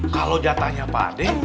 kalau dia tanya pak deh